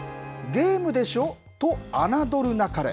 ゲームでしょ？と侮るなかれ。